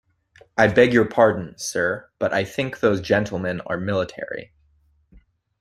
I beg your pardon, sir, but I think those gentlemen are military?